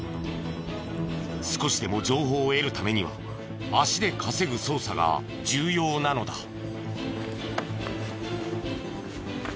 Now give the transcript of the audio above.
少しでも情報を得るためには足で稼ぐ捜査が重要なのだ。